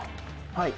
はい。